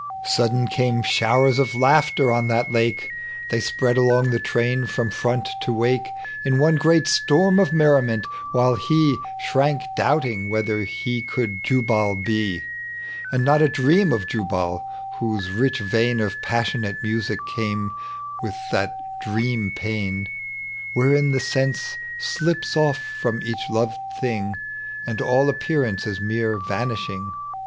Sudden came showers of laughter on that lake ; They spread along the train tVom iVont to wake In one great itorm of merriment, while he Shrank doubting whithei he could Jubal be. And not a dieam ot Jubal, whose rich vein Of passionate musn, came with that dream pain. Wherein the sen=ie thps off from each lo? thing. And all appearance is mere vanishing.